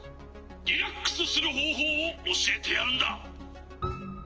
「リラックスするほうほうをおしえてやるんだ！」。